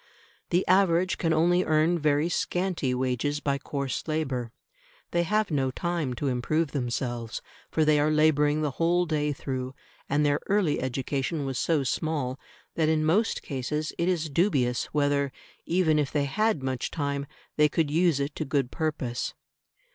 The average can only earn very scanty wages by coarse labour. They have no time to improve themselves, for they are labouring the whole day through; and their early education was so small that in most cases it is dubious whether even if they had much time, they could use it to good purpose.